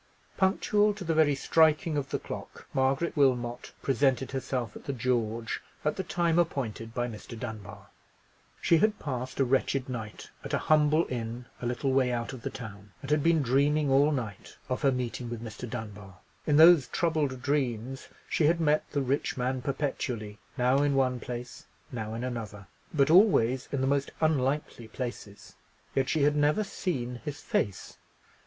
Punctual to the very striking of the clock, Margaret Wilmot presented herself at the George at the time appointed by Mr. Dunbar. She had passed a wretched night at a humble inn a little way put of the town, and had been dreaming all night of her meeting with Mr. Dunbar. In those troubled dreams she had met the rich man perpetually: now in one place, now in another: but always in the most unlikely places: yet she had never seen his face.